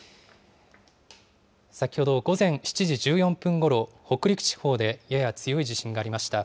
先ほど午前７時１４分ごろ、北陸地方でやや強い地震がありました。